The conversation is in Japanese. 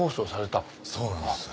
そうなんです。